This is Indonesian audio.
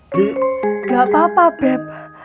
gak apa apa beb